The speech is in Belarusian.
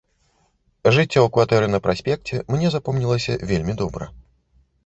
Жыццё ў кватэры на праспекце мне запомнілася вельмі добра.